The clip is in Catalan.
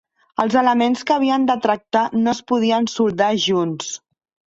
Els elements que havien de tractar no es podien soldar junts.